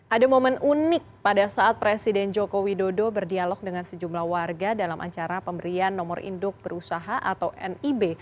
ada momen unik pada saat presiden joko widodo berdialog dengan sejumlah warga dalam acara pemberian nomor induk berusaha atau nib